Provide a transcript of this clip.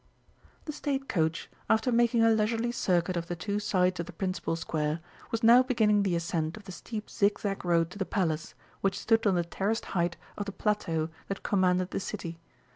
The State Coach, after making a leisurely circuit of the two sides of the principal square, was now beginning the ascent of the steep zigzag road to the Palace, which stood on the terraced height of the plateau that commanded the city.